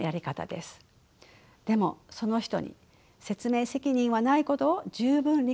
でもその人に説明責任はないことを十分理解した上で聞いてくださいね。